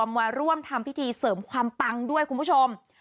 มาร่วมทำพิธีเสริมความปังด้วยคุณผู้ชม